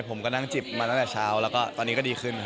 ผมก็นั่งจิบมาตั้งแต่เช้าแล้วก็ตอนนี้ก็ดีขึ้นครับ